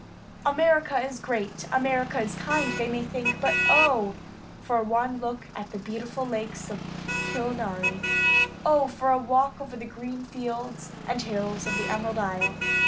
America is great, America is kind, they may think, but oh! for one look at the beautiful lakes of Killarney; oh! for a walk over the green fields and hills of the Emerald Isle.